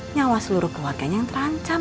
nyawa seluruh keluarganya yang terancam